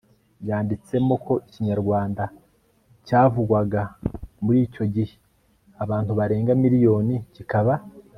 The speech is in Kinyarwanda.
yanditsemo ko ikinyarwanda cyavugwaga muri icyo gihe n'abantu barenga miriyoni kikaba